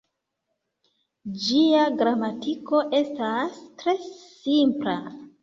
Ĝia gramatiko estas tre simpla.